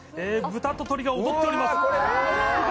豚と鶏が踊っております。